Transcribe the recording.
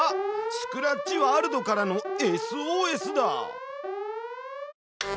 スクラッチワールドからのＳＯＳだ！